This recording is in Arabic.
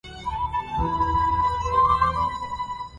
الحظ قد أوفى وأوفى بالمنن